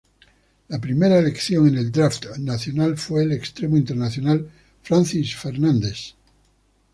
La primera elección en el "draft" nacional fue el extremo internacional Francis Fernandes.